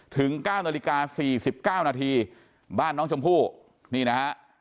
ถึง๙นาฬิกา๔๙นาทีบ้านน้องชมพู่นี่นะฮะ